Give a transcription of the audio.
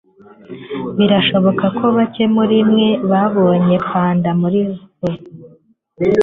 Birashoboka ko bake muri mwe babonye panda muri zoo.